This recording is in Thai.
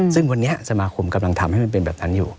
ซึ่งวันนี้สมาคมกำลังทำให้มันเป็นแบบนั้นอยู่